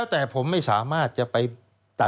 สวัสดีค่ะต้องรับคุณผู้ชมเข้าสู่ชูเวสตีศาสตร์หน้า